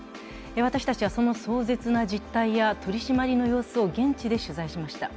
私たちはその壮絶な実態や取り締まりの様子を現地で取材しました。